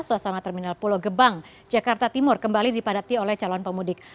suasana terminal pulau gebang jakarta timur kembali dipadati oleh calon pemudik